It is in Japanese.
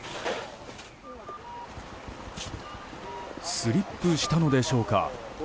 スリップしたのでしょうか。